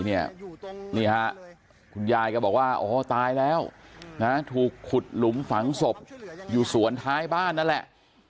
นี่ฮะคุณยายก็บอกว่าอ๋อตายแล้วถูกขุดหลุมฝังศพอยู่สวนท้ายบ้านนั่นแหละ